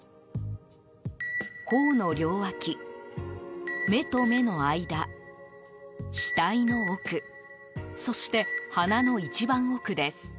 頬の両脇、目と目の間、額の奥そして鼻の一番奥です。